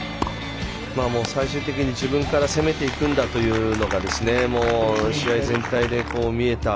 最終的に自分から攻めていくんだというのが試合全体で見えた。